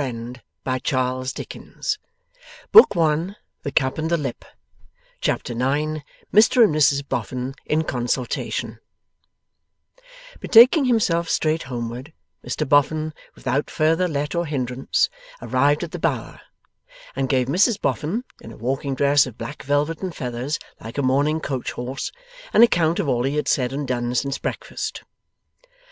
Morning, morning, morning!' And so departed, without looking back. Chapter 9 MR AND MRS BOFFIN IN CONSULTATION Betaking himself straight homeward, Mr Boffin, without further let or hindrance, arrived at the Bower, and gave Mrs Boffin (in a walking dress of black velvet and feathers, like a mourning coach horse) an account of all he had said and done since breakfast.